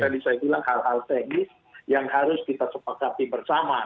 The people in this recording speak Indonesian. itu yang tadi saya bilang hal hal teknis yang harus kita sepakatkan bersama